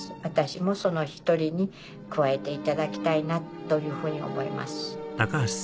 私もその１人に加えていただきたいなというふうに思います。